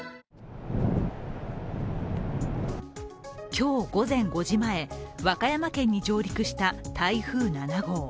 今日午前５時前、和歌山県に上陸した台風７号。